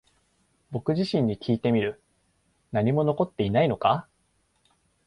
僕自身にきいてみる。何も残っていないのか？